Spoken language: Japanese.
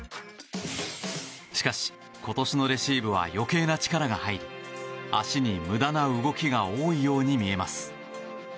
しかし今年のレシーブは余計な力が入り足に無駄な動きが多いように見えます。